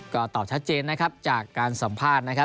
ก็ตอบชัดเจนนะครับจากการสัมภาษณ์